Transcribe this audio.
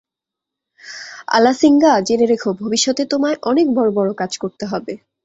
আলাসিঙ্গা, জেনে রেখো ভবিষ্যতে তোমায় অনেক বড় বড় কাজ করতে হবে।